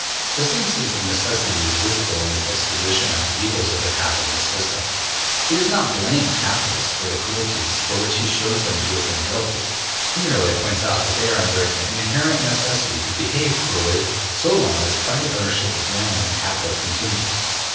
The same sense of necessity is visible in his exposition of the evils of the capitalist system. He does not blame capitalists for the cruelties of which he shows them to have been guilty; he merely points out that they are under an inherent necessity to behave cruelly so long as private ownership of land and capital continues.